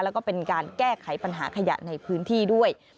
แล้วก็เป็นการแก้ไขปัญหาขยะในพื้นที่ด้วย